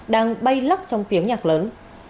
đang bay lắc trong tiếng nhạc lớn